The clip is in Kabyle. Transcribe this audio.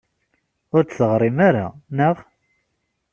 Ur d-teɣrim ara, naɣ?